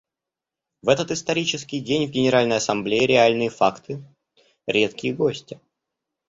В этот исторический день в Генеральной Ассамблее реальные факты — редкие гости.